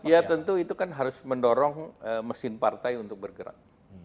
ya tentu itu kan harus mendorong mesin partai untuk bergerak